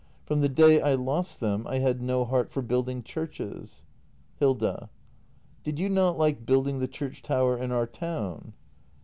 ] From the day I lost them, I had no heart for building churches. Hilda. Did you not like building the church tower in our town ?